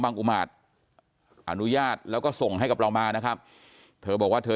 อุมาตรอนุญาตแล้วก็ส่งให้กับเรามานะครับเธอบอกว่าเธอ